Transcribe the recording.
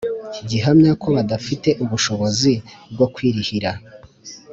gihamya ko badafite ubushobozi bwo kwirihira